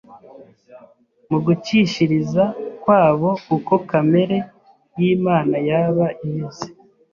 Mu gucishiriza kwabo uko kamere y’Imana yaba imeze,